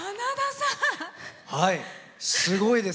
すごいです。